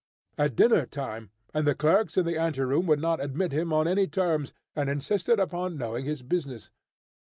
At dinner time, and the clerks in the ante room would not admit him on any terms, and insisted upon knowing his business.